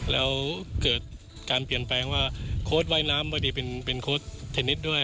แล้วเกิดการเปลี่ยนแปลงว่าโค้ดว่ายน้ำพอดีเป็นโค้ชเทนนิสด้วย